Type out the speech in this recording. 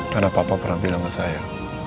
karena papa pernah bilang ke saya